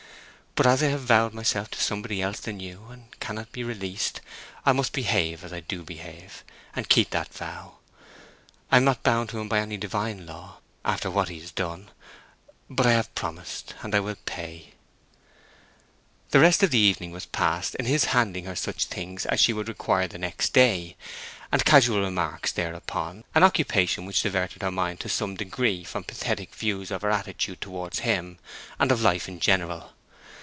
But as I have vowed myself to somebody else than you, and cannot be released, I must behave as I do behave, and keep that vow. I am not bound to him by any divine law, after what he has done; but I have promised, and I will pay." The rest of the evening was passed in his handing her such things as she would require the next day, and casual remarks thereupon, an occupation which diverted her mind to some degree from pathetic views of her attitude towards him, and of her life in general.